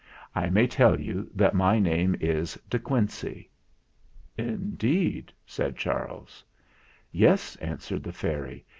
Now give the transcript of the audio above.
I may tell you that my name is De Quincey." "Indeed," said Charles. "Yes," answered the fairy.